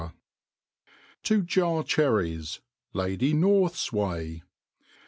To Jar fherriis^ . Lady NortVs Way.